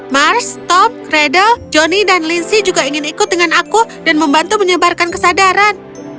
mars top radel johnny dan linsy juga ingin ikut dengan aku dan membantu menyebarkan kesadaran